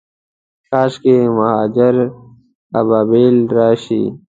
کاشکي، مهاجر ابابیل راشي